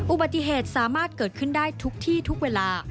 อุบัติเหตุสามารถเกิดขึ้นได้ทุกที่ทุกเวลา